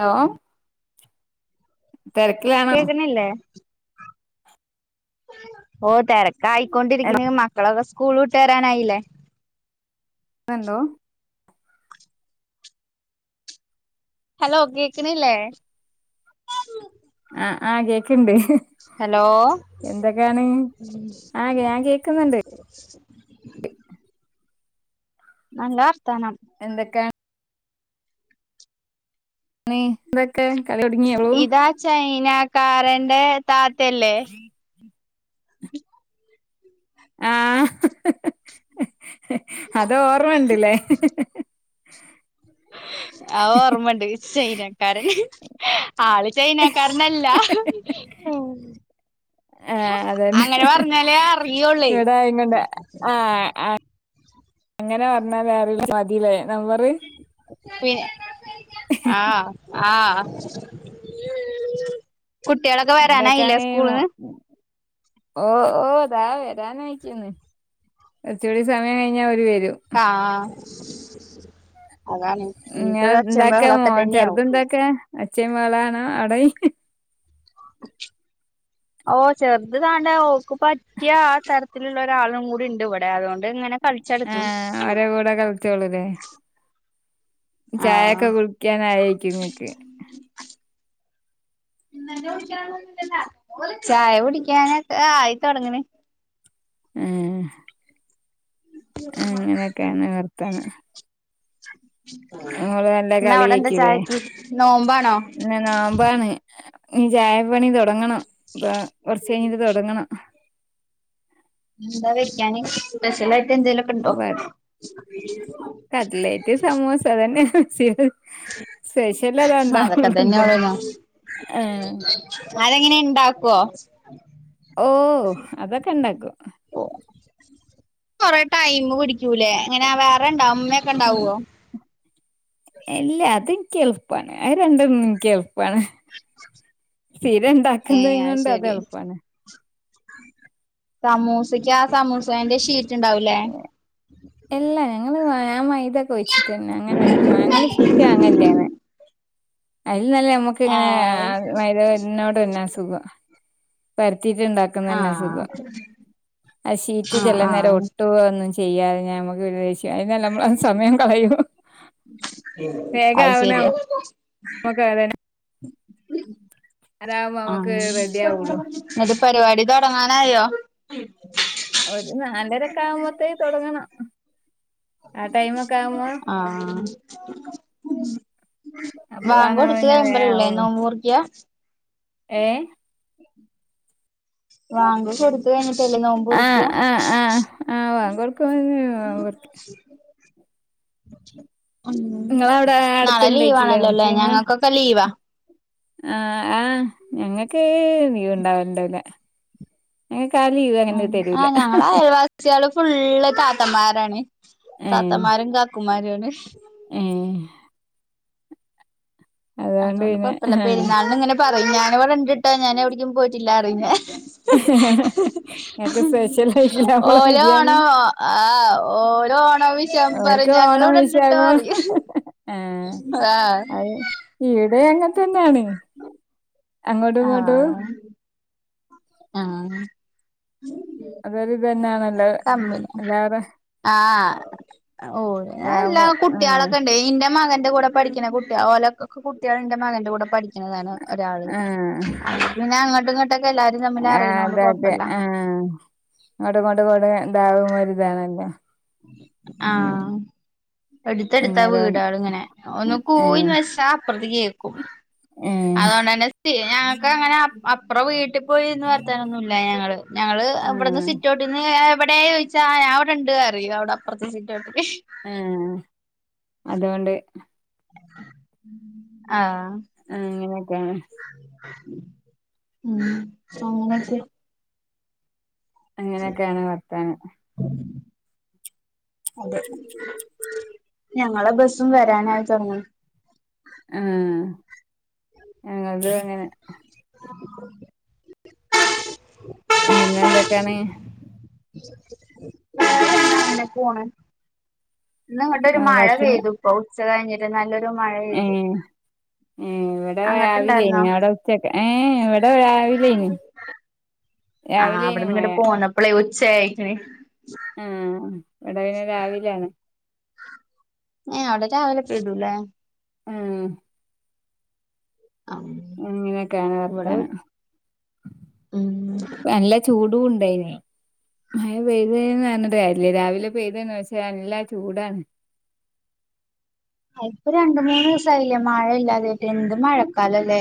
Hello തിരക്കിലാണോ കേക്കണില്ലേ ഓ തിരക്കായിക്കൊണ്ടിരിക്കണ് മക്കളൊക്കെ സ്കൂൾ വിട്ട് വരാനായില്ലേ എന്തോ ഹലോ കേക്കണില്ലേ ആ ആ കേക്ക് ണ്ട് ഹലോ എന്തൊക്കെയാണ് ആ ഞാൻ കേക്കുന്നുണ്ട് നല്ല വർത്താനം എന്തൊക്കെയ നീ ഇതൊക്കെ കളി ഒടുങ്ങിയോളൂ ഉം ഇതാ ചൈനക്കാരന്റെ ഉ ആഹഹഹ അത് ഓർമ്മയുണ്ടില്ലേ ആ ഓർമ്മണ്ട് ചൈനക്കാരൻ ആള് ചൈനക്കാരനല്ല ആ ഉ ആ അതന്നെ പറഞ്ഞാലേ അറിയുള്ളേ ഇവിടെ ആയെം കൊണ്ട് ആഹ ആ അങ്ങനെ പറഞ്ഞാ വേറ മതില്ലേ നമ്പര് പിന്നെ ആഹ് ആഹ് കുട്ടികളൊക്കെ വരാനായില്ല എന്തൊക്കാണ് സ്കൂളിന്ന് ഓ ഓതാ വരാനക്കന്ന് കുറച്ചുകൂടി സമയം കഴിഞ്ഞാ ഓരു വരും ആഹ് അതാണ് ഞാൻ ഇനിയിപ്പോ ഒച്ചയും ഇണ്ടാക്കാമോ ബഹളൊക്കെ തന്നെയാവും ചെറുത ഇണ്ടാക്കാ അച്ഛേൻ മേള ആണോ അടയും [inaudible] ഓ ചെറുത് താണ്ടേ ഓക്ക് പറ്റിയ ആ തരത്തിലുള്ള ഒരാളും കൂടി ഇണ്ട് ഇവിടെ അതുകൊണ്ട് ഇങ്ങനെ കളിച്ചു ആ നടക്കണ് അവരെ കൂടെ കളിച്ചോളൂല്ലേ ചായൊക്കെ കുടിക്കാനയേരിക്കും ഇങ്ങക്ക് ചായ കുടിക്കാനൊക്കെ ആയിത്തൊടങ്ങണ ആഹ് അങ്ങനെയൊക്കെയാണ് വർത്താന എന്ന അവിടെ എന്താ കളിയേക്കൂലേ ചായക്ക് നോമ്പാണോ ഇന്ന് നോമ്പാണ് ഇനി ചായപ്പണി തുടങ്ങണം അപ്പൊ കുറച്ച് കഴിഞ്ഞിട്ട് തുടങ്ങണം എന്താ [unintelligible] സ്പെഷ്യൽ എന്തെലുക്കെ ഉണ്ടോ കട്ട്ലേറ്റ് സമൂസ അതന്നെ സ്പെഷ്യൽ അതാ അതൊക്കെ ഇണ്ടാവുള്ളു എന്തായാലും തന്നെയവിടെന്ന ആഹ് അതെങ്ങനെ ഇണ്ടാക്കുവോ ഓ അതൊക്കെ ഇണ്ടാക്കും കുറെ ടൈമ് പിടിക്കൂലേ ഇങ്ങനെ വേറെ ഇണ്ടാവും അമ്മയൊക്കെ ഉം ഇണ്ടാവുവോ ഇല്ല അതെനിക്ക് എളുപ്പമാണ് ആ രണ്ടെണ്ണം എനിക്കെള പാണ് ഏഹ് സ്ഥിരമുണ്ടാക്കുന്നതുംകൊണ്ട് അത് ശരി എളുപ്പാണ് സമൂസക്ക് ആ സമൂസന്റെ ഷീറ്റ് ഉണ്ടാവുലേ എല്ലാ ഞങ്ങള് ഞാൻ മൈതൊക്കെ ഒഴിച്ചിട്ടന്നെ അങ്ങനെ ഞങ്ങള് ഷീറ്റ് വാങ്ങല്ലിലാണ് അല്ല നമക്ക ഇങ്ങനെ ആഹ് മൈതനോട് തന്നെ സുഖം പെ ത്തിട്ട് ണ്ടാക്കുന്നന്ന ആഹ് സുഖം ആ ഷീറ്റ് ആഹ് ചില നേരം ആഹ് ഒട്ടുക ഒന്നും ചെയ്യാ നമ്മക്ക് വിദേശിക്ക അ നമ്മളത് സമയം കളയൂ അത് വേഗമാവണേ ശരിയാ നമക്ക [unintelligible] ആ റെഡി ആവുള്ളു [unintelligible] പരിപാടി തുടങ്ങാനായോ ഒരു നാലരക്കെ ആകുമ്പോത്തേ തുടങ്ങണം ആ ടൈമ ഒക്കെ ആ ബാങ്ക് അപ്പളാണ് കൊടുത്ത പിന്നെ വേഗം കഴുമ്പോലല്ലേ ആവുള്ളു നോമൂറക്കിയ ഏ ബാങ്ക് കൊടുത്തു കഴിഞ്ഞി ല്ല നോമ്പൂ മുറിക്ക ആഹ് ആഹ് ആഹ് ആഹ് ബാങ്ക് കൊടുക്കും അ നിങ്ങളവിടെ [inaudible] നാളെ ലീവാ അടുത്തുണ്ടേക്കില്ലേ ആണല്ലോല്ലേ ഞങ്ങൾക്കൊക്കെ ലീവാ ആ ആഹ് ഞങ്ങക്ക് ലീവ് ഉണ്ടാവളുണ്ടാവില്ല ഉം ആ ഞങ്ങളാ അയൽ വാസികളും ഫുള്ള് താത്തമാരാണ് താത്തമാരും കാക്കുമാരുംണ് ഏ അതുകൊണ്ട് പിന്നെ കൊഴപ്പമില്ല പെരുന്നാളന് ഇങ്ങനെ പ ഞാനിവിടെ ഇണ്ടിട്ടാ ഞൻ എവിടക്കും പോയിട്ടില്ലാ റിയും ഞ ഞങ്ങക്ക് സ്പെഷ്യൽ ആയിട്ടില്ല നമ്മളെ ഓരോ ബിരിയാണി ആണോ ആ ഓരോ ആണ ോ [unintelligible] പറയും അവർക്ക് ഞങ്ങ ഇവിടെണ്ടിട്ടോ പറിയും ആ അത് ഈടെ അങ്ങനത്തന്നാണ് ആഹ് ആഹ് അതൊരു ഇതന്നാണല്ലോ കമ്മിന എല്ലാരും ആഹ് ഓ എല്ലാ ഇതാവുമ്പോ ആഹ് കുട്ടികളൊക്കെ ഉണ്ട് ഇന്റെ മകൻ കൂടെ പഠിക്കുന്ന കുട്ട ഓലെ കുട്ടികൾ എന്റെ മകന്റെ കൂടെ പഠിക്കണം ങ്ങാണ് ഒരാള് പിന്നെ അങ്ങോട്ടും ഇങ്ങോട്ടൊക്കെ എല്ല ആ അത അതെ ആഹ അങ്ങോടെ ഇങ്ങട്ട പോട ഇതാവും ഒരി ഇതാണല്ലോ അ ഏഹ് എടുത്തടുത്താ വീടുകൾ ഇങ്ങനെ ഒന്ന് ഏഹ് കോയിന്ന് വച്ചാ അപ്പുറത്ത കേക്കും ഏഹ് അതുകൊണ്ട് തന്നെ ഞങ്ങക്ക് അങ്ങനെ അപ്പറ വീട്ടിൽ പോയിന്ന് വർത്താനൊന്നുമ ഇല്ല ഞങ്ങള് ഞങ്ങള് ഇവിടെന്ന് ആഹ് സിറ്റ് ഔട്ട്ന്ന് എവിടെ ചോദിച്ചാ അവിടെ ഉണ്ട് ക അറ അവിടെപ്പറത്തെ സീറ്റ്ട്ട് ആ അതുകൊണ്ട് ആഹ അങ്ങനൊക്കെ ആണ് ഉ അങ്ങനെക്കെ അങ്ങനെയൊക്കെയാണ് ഭർത്താനം അതെ ഞങ്ങള ബസും വരാനായി തുടങ്ങി ആ ഞങ്ങത് എങ്ങനെ [inaudible] പിന്നെന്തൊക്കെണ് അനെ പോണ ഇ ഇങ്ങട്ടൊരു മഴ ബസ്സിന് പെയ്തു ഇപ്പൊ ഉച്ച കഴിഞ്ഞിട്ട് നല്ലൊരു മഴ പെയ്തു ഏ ഇവിടെ രാവിലേനി അങ്ങട്ടുണ്ടായിരുന്നോ അവിടെ ഉച്ചക്കെ ഏ ഇവിടെ രാവിലേനി ആഹ് അവിടന്ന് ഇങ്ങട്ട പോന്നപ്പളെ ഉച്ചയായിക്കന് ആഹ ഇവിടെ അയിന് രാവിലാണ് അവിടെ രാവിലെ പെയ്തു ലെ ഏ ആഹ് ഇങ്ങനെയൊക്കെയാണ് ഇവിടെ വർത്തനം ഉം നല്ല ചൂട് ടുണ്ടായിന് മഴ പെയ്തന്ന് പറഞ്ഞിട്ട് കാരുമില്ല രാവിലെ പെയ്തന്ന് വെച്ച് നല്ല ചൂടാണ് [inaudible] ഇപ്പൊ രണ്ട് മൂന്ന് ദിവസം ആയില്ലേ മഴ ഇല്ലാതെ ആയിട്ട് എന്ത് മഴക്കാലല്ലേ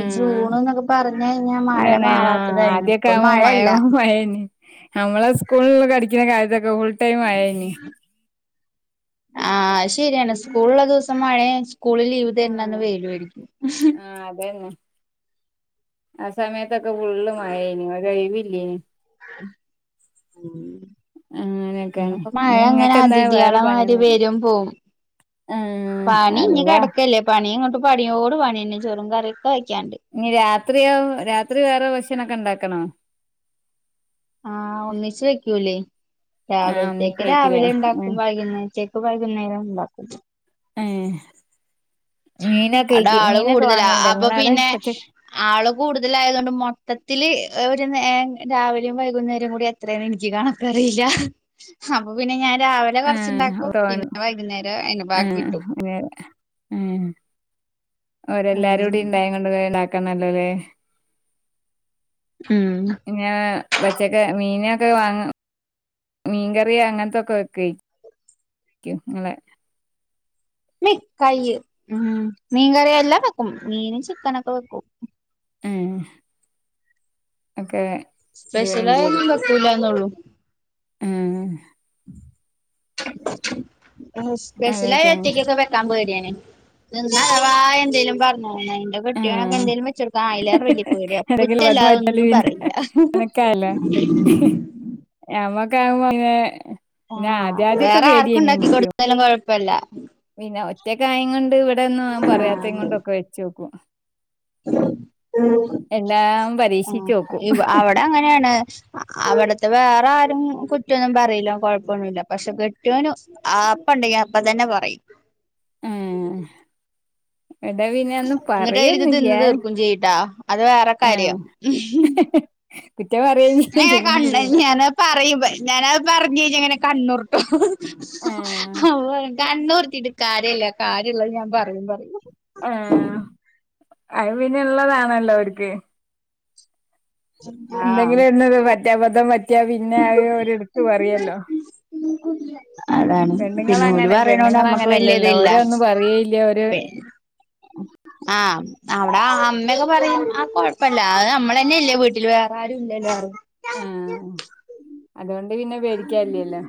ഈ ജൂൺ എന്നൊക്കെ പറഞ്ഞു കഴിഞ്ഞാൽ മഴ ഇതാണ് ആഹ് മാറാത്തതായിരുന്നു ആദ്യൊക്കെ ഇപ്പൊ ആവുമ്പോ മഴ മഴയില്ല മഴേനി നമ്മളെ സ്കൂളിൽ പടിക്കുന്ന കാര്യത്തൊക്കെ ഫുൾ ടൈം മഴ നി ആഹ് അത് ശരിയാണ് സ്കൂളുള്ള ദിവസം മഴെ സ്കൂളിൽ ലീവ് ആഹ് തരണന്ന് വെയിലും അടിക്കും ആഹ് അതന്നെ ആ സമയത്തൊക്കെ ഫുള്ള് മഴയാനി വെയിലില്ലേനി ഉം ഇന്ന് അങ്ങനെയൊക്കെയാണ് ഇപ്പോ മഴ ഇനി അങ്ങനെ ഇങ്ങക്കെന്താ വേറെ അതിഥികളെ മാതിരി പണിയൊന്നുല്ല വരും പോവും ആഹ് പണി ഇനി അള്ളാ കിടക്കല്ലേ പണി ഇങ്ങോട്ട് പണിയോട് പണി തന്നെ ചോറും കറി ഇനി രാത്രിയാ രാത്രി വേറെ ഭക്ഷണൊക്കെ ഉണ്ടാക്കണോ ആഹ് ഒന്നിച്ച് വയ്ക്കൂല്ലേ ആഹ് രാവിലത്തേക്ക് ഒന്നിച്ചേയ്ക്കുലേ രാവിലെ ആഹ് ഉണ്ടാക്കും വൈകുന്നേരത്തേക്ക് വൈകുന്നേരം ഉണ്ടാക്കും ഏഹ് മീനൊക്കെ അവിട ഇയ്ക്ക് ആള് മീനൊക്കെ കൂടുതലാ വാങ്ങല്ണ്ടോ അപ്പൊ ഇങ്ങളവിടെ പിന്നെ കൊച്ച് ആള് കൂടുതലായത് കൊണ്ട് മൊ മൊത്തത്തില് ഒരു നേരം രാവിലെയും വൈകുന്നേരം കൂടി എത്രയെന്ന് എനിക്ക് കണക്ക് അറിയില്ല അപ്പൊ പിന്നെ ഞാൻ രാവിലെ ആഹ് കുറച്ചുണ്ടാക്കും തോനെ പിന്നെ വൈകുന്നേരം അതിന് ബാക്കി കിട്ടും ഏ ഓരെല്ലാരും കൂടി ഇണ്ടായോണ്ട് കൊണ്ട് കുറെ ഉണ്ടാക്കണല്ലോ ആഹ് പിന്ന പച്ചക്കെ മീനൊക്കെ വാങ്ങ മീൻകറിയ അങ്ങനത്തൊക്കെ വെക്കും ക്കും നിങ്ങളെ മീ കൈ ഉം മീൻകറിയെല്ലാം വെക്കും മീനും ചിക്കനൊക്കെ വെക്കും മ്മ് ഒക്കെ ഇത് വേണ്ടി സ്പെഷ്യലായി ഒന്നും വെക്കൂലാന്നെ ഉള്ളു മ്മ് സ്പെഷ്യലായി അതൊക്കെ ഒറ്റക്കൊക്കെ വെക്കാൻ പോയ് ഞാൻ നിന്നാ വാ എന്തേലും പറഞ്ഞ് ആണ എന്റെ കെട്ടിയോനൊക്കെ ഉം എന്തെങ്കിലും വെച്ചു കൊടുക്കാൻ അതിലേറ വലിയ പുകിലാ എന്തെങ്കിലും കുറ്റം വന്ന് അല്ലാതെ മാറ്റാല് ഒന്നും പിന്നെ പറയില്ല [inaudible] മ്മക്കെ ആകുമ്പോനെ ആ വേറെ ആർക്കും ഉണ്ടാക്കി ഇൻക്കും കൊടുത്താലും കൊഴപ്പല്ല പിന്നെ ഒറ്റക്കായം കൊണ്ട് ഇവിടെ ഒന്നും പറയാത്ത കൊണ്ടൊക്കെ വെച്ച് വെക്കും [inaudible] എല്ലാം പരീക്ഷിച്ചോക്കും ആ അവിടെ അങ്ങനെയാണ് അവിടെ വേറെ ആരും കുറ്റെന്നുംന്നും പറയില്ലാ കുഴപ്പമൊന്നുല്ല പക്ഷെ കൊട്ടിയോന് ആപ്പ ഉണ്ടെങ്കിൽ അപ്പ തന്നെ പറയും ആ എന്നിട്ട് അത് എടുത്ത് പറയൊന്നുല്ല തിന്ന് തീർക്കും ചെയ്യുട്ടാ അത് വേറെ ആഹ് കാര്യം കുറ്റം പറയേം ചെയ്യും അങ്ങനെ തിന്നേം കണ്ണ് ചെയ്യൂല ഞാന് പറയും ഞാനത് പറഞ്ഞു കഴിഞ്ഞാ ഇങ്ങനെ കണ്ണൂരുട്ടും ആഹ് അ കണ്ണുർട്ടിട്ടു കാര്യല്ല കാര്യമുള്ളത് ഞാൻ പറയും പറയും ആ അത് പിന്നെ ഉള്ളതാണല്ലോ അവർക്ക് ആ ഒന്ന് പറ്റാ അബദ്ധം പറ്റിയാ പിന്നെ അത് ഓര് എടുത്ത് പറയല്ലോ അതാണ് പിന്നെ ഓല് പെണ്ണുങ്ങളങ്ങനെ പറയണോണ്ട് നമ്മുക്ക് വല്യ ഇത് പെണ്ണുങ്ങളങ്ങനല്ലല്ലോ ഇല്ല ഓരൊന്നും പറയേയില്ല ഓര് പി ആ അവിട അ ഒക്കെ പറയും ആ കൊഴപ്പമല്ല അത് നമ്മള തന്നെ ഇല്ലേ വീട്ടിൽ വേറെ ആരും ഇല്ലല്ലോറും ആ അതുകൊണ്ട് പിന്നെ പേടിക്കാനില്ലല്ലോ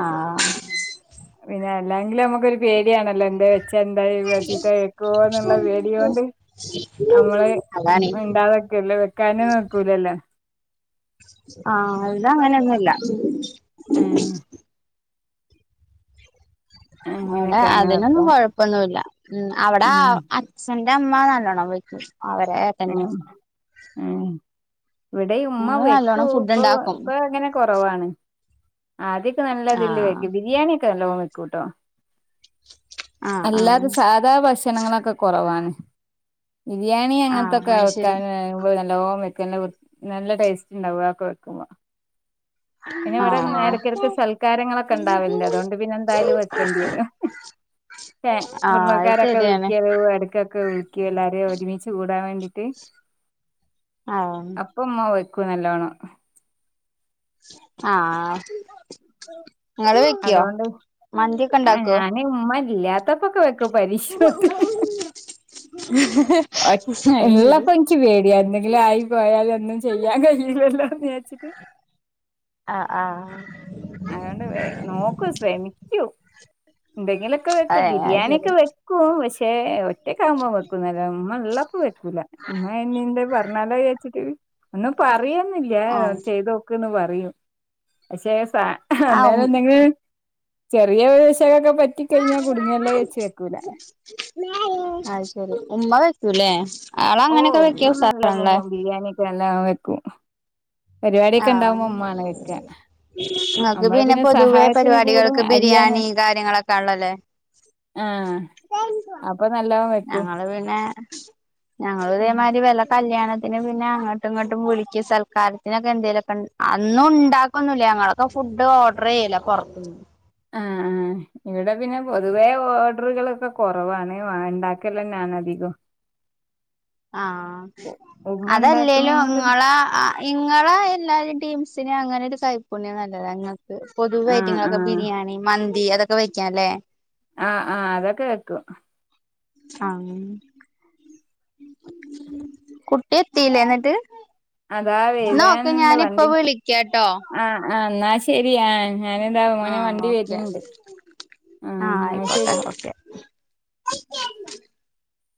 ആ പിന്നെ അല്ലെങ്കില് നമ്മുക്കൊരു പേടി ആണല്ലോ എന്താ വെച്ച എന്താ ചീത്ത കേൾക്കുവോ എന്നുള്ള പേടിയോണ്ട് നമ്മള് അതാണ് ഇണ്ടാതക്കല്ലേ വെക്കാനും നോക്കൂലല്ലോ ആ അതാ അങ്ങനെന്നുമില്ല ഉം അവിടെ അങ്ങനൊക്കെയാണ് അതിനൊന്നും വർത്താനം കൊഴപ്പൊന്നുല്ല ഉം അവിടെ ഉം അച്ഛൻ എന്റെ അമ്മാ നല്ലോണം വെയ്ക്കും അവരെതല്ല ഇവിടെ ഉമ്മ വെക്കൂ ഇപ്പൊ ഇപ്പൊ അങ്ങനെ കുറവാണ് ആദ്യംക്കെ നല്ലതില് ആഹ് വെക്കും ബിരിയാണി ഒക്കെ നല്ലോണം വെക്കൂട്ടോ ആഹ് ആഹ് അല്ലാതെ സാധാ ഭക്ഷണങ്ങളൊക്കെ കുറവാണ് ബിരിയാണി ആഹ് അങ്ങനത്തൊക്കെ അത് ശരി വെക്കാൻ നല്ലഓ വക്കും നല്ല ടേസ്റ്റ്ണ്ടാവും അതക്കെ വെക്കുമ്പോ പിന്നെ ഇവിടെ ഇടക്കിടക്ക് ആഹ് സൽക്കാരങ്ങളൊക്കെ ഉണ്ടാവലേ അതുകൊണ്ട് പിന്നെ എന്തായാലും വെക്കേണ്ടി വരും ആഹ് അത് കുടുംബക്കാരൊക്കെ ശരിയാണ് വിളിക്കോ ഇടയ്ക്കൊക്കെ വിളിക്കോ എല്ലാരെയും ഒരുമിച്ച് കൂടാൻ വേണ്ടിട്ട് ആഹ് അപ്പം ഉമ്മ വയ്ക്കൂ നല്ലോണം ആ നിങ്ങള് വെക്കോ അതുകൊണ്ട് മന്തി ഒക്കെ ആ ഇണ്ടാക്കോ ഞാന് ഉമ്മ [unintelligible] അത് ശരി എല്ലാപ്പ എനിക്ക് പേടിയാ എന്തെങ്കിലും ആയി പോയാല് ഒന്നും ചെയ്യാൻ കഴിയില്ലല്ലോന്ന് വിചാരിച്ച് [inaudible] ആ ആ അതൊണ്ട് നോക്കും ശ്രെമിക്കും എന്തെങ്കിലുമൊക്കെ വെക്കും അതെ അത് ശരി ബിരിയാണിയക്കെ വെക്കും പക്ഷെ ഒറ്റക്കാവ്മ്പോ വെക്കും നല്ലോണം ഉമ്മ ഒള്ളപ്പ വെക്കൂല ഉമ്മ എന്നീന്ത് പറഞ്ഞാലോ വിചാരിച്ചട്ട് ഒന്നും പറയൊന്നുല്ല ആഹ് ചെയ്തോക്ക്ന്ന് പറയും പക്ഷെ സ ആഹ് അന്നേരം ഉം എന്തെങ്കിലും ചെറിയ ഒരു വെശകെക്കെ പറ്റി കയ്ഞ്ഞാ കുടുങ്ങിയല്ലേ വെച്ച് വെക്കൂല. അത് ശരി ഉമ്മ വെക്കൂല്ലേ ആള് അങ്ങനെയൊക്കെ വെക്കാൻ ഉസാറാണല്ലെ എല്ലാം വെക്കും പരിവാട്യൊക്കെ ഇണ്ടാവുമ്പോ ആഹ് ഉമ്മ ആണ് വെയ്ക്ക. ഇങ്ങക്ക് പിന്നെ പൊതുവേ കൂടെ പരിപാടികൾക്ക് അരിയാന് ബിരിയാണി കാര്യങ്ങളൊക്കെ ആണല്ലോല്ലേ. ആഹ് അപ്പൊ നല്ല ഞങ്ങള് പിന്നെ ഞങ്ങള് ഉം ഇതേമാതിരി വെല്ല കല്യാണത്തിന് പിന്നെ അങ്ങട്ടും ഇങ്ങട്ടും വിളിക്ക സൽക്കാരത്തിനൊക്കെ എന്തേലൊക്കെ ഇൺ അന്നും ഇണ്ടാക്കൊന്നും ഇല്ല്യ. ഞങ്ങളൊക്കെ ഫുഡ് ഓർഡർ ചെയ്യലാ പൊറത്ത്ന്ന്. ആഹ് ആഹ് ഇവിടെ പിന്നെ പൊതുവേ ഓർഡറുകളൊക്കെ കൊറവാണ് വ ഇണ്ടാക്കലന്നാന്ന് അധികം ആഹ് ഉമ്മ ഇണ്ടാക്കണേ അതല്ലേലും കൊണ്ട് ഇങ്ങള ഇങ്ങളെ എല്ലാരെ ടീംസിന് അങ്ങനെ ഒരു കൈപ്പുണ്യം നല്ലതാ ഇങ്ങക്ക് പൊതുവേ ആഹ് ഐറ്റങ്ങൾക്ക് ആഹ് ബിരിയാണി മൻ ന്തി അതൊക്കെ വെക്കാല്ലേ ആഹ് ആഹ് അതക്കെ വെക്കും. ആ [unintelligible] കുട്ടി എത്തീലേ ഇന്നിട്ട്? അതാ ഇന്നാ ഓക്കെ വരാനുണ്ട് ഞാനിപ്പോ വണ്ടി വിളിക്കാട്ടോ. ആഹ് ആഹ് എന്നാ ശരി ആഹ് ഞാനിതാ മോനെ ആഹ് വണ്ടി ഓക്കെ വരുന്നുണ്ട് ആഹ് എന്നാ ശരി ആയ്ക്കോട്ടെ ഓക്കെ.